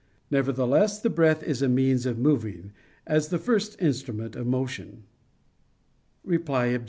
Nevertheless the breath is a means of moving, as the first instrument of motion. Reply Obj.